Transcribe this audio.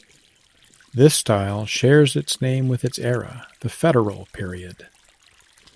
This style shares its name with its era, the Federal Period.